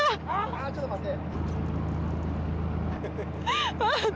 あっちょっと待って。